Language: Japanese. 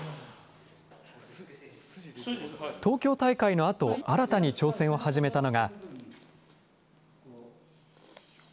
東京大会のあと、新たに挑戦を始めたのが。